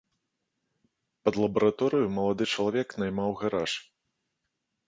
Пад лабараторыю малады чалавек наймаў гараж.